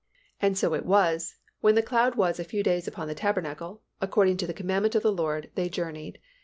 And so it was, when the cloud was a few days upon the tabernacle; according to the commandment of the LORD they journeyed.